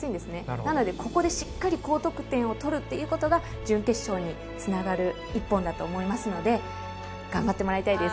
なので、ここでしっかり高得点を取るということが準決勝につながる１本だと思いますので頑張ってもらいたいです。